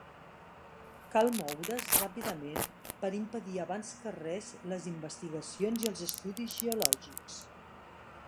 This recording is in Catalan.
Cal moure's ràpidament per impedir abans que res les investigacions i els estudis geològics.